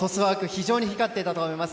非常に光っていたと思います。